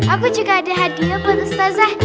aku juga ada hadiah buat ustazah